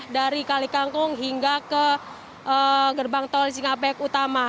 dari kalikangkung hingga ke gerbang tol cikampek utama